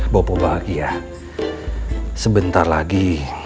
boko bahagia sebentar lagi